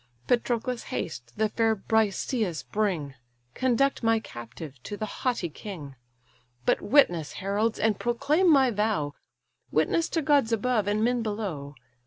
Patroclus, haste, the fair Briseïs bring; Conduct my captive to the haughty king. But witness, heralds, and proclaim my vow, Witness to gods above, and men below!